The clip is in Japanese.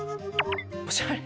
おしゃれ。